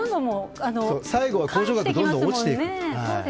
最後は控除額どんどん落ちていく。